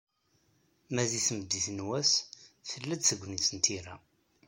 Ma di tmeddit n wass, tella-d tegnit n tira.